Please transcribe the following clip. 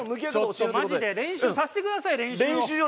ちょっとマジで練習させてください練習を。